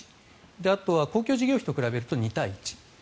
あとは公共事業費と比べると２対１。